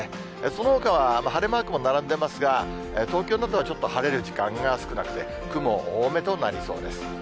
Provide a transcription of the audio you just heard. そのほかは晴れマークも並んでますが、東京などはちょっと晴れる時間が少なくて、雲多めとなりそうです。